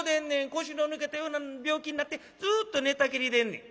腰の抜けたような病気になってずっと寝たきりでんねん」。